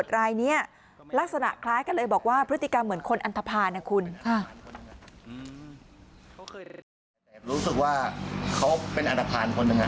เรียบรู้สึกว่าเขาเป็นอันถภาคคลิป